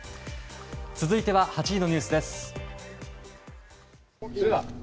続いては、８位のニュースです。